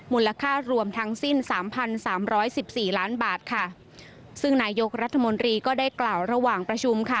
มูลค่ารวมทั้งสิ้น๓๓๑๔ล้านบาทซึ่งนายยกรัฐมนตรีก็ได้กล่าวระหว่างประชุม